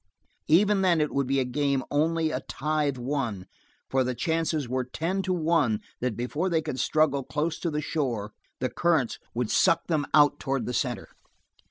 Even then it would be a game only a tithe won, for the chances were ten to one that before they could struggle close to the shore, the currents would suck them out toward the center.